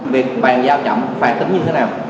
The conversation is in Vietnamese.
việc bàn giao chậm phải tính như thế nào